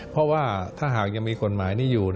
เพราะว่าถ้าหากยังมีกฎหมายนี้อยู่